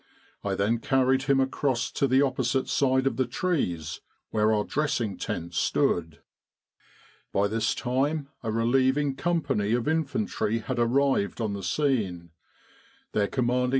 I then carried him across to the opposite side of the trees where our dressing tent stood. "* By this time a relieving company of infantry had arrived on the scene. Their C.O.'